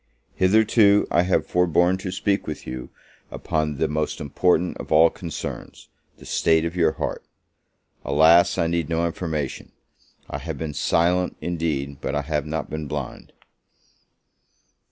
Hitherto I have forborne to speak with you upon the most important of all concerns, the state of your heart: alas, I need no information! I have been silent, indeed, but I have not been blind.